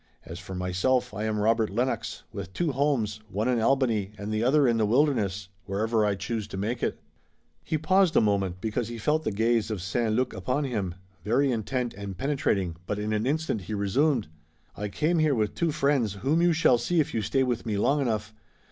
As for myself, I am Robert Lennox, with two homes, one in Albany, and the other in the wilderness, wherever I choose to make it." He paused a moment, because he felt the gaze of St. Luc upon him, very intent and penetrating, but in an instant he resumed: "I came here with two friends whom you shall see if you stay with me long enough.